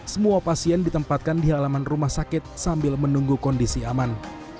semua pasien ditempatkan di halaman rumah sakit sambil menunggu kondisi aman